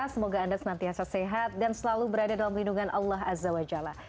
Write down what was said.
semoga anda senantiasa sehat dan selalu berada dalam lindungan allah azza wa jalla